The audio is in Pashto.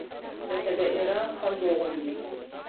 لکه د ایران خلکو غوندې.